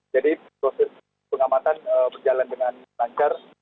jadi proses pengamatan berjalan dengan lancar